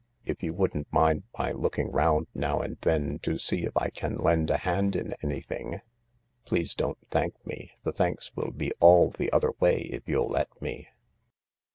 If you wouldn't mind my looking round now and then to see if I can lend a hand in anything ? Please don't thank me — the thanks will be all the other way if you'll let me.